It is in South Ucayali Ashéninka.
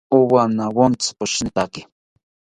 Owanawontzi poshinitaki